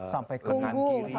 sampai ke punggung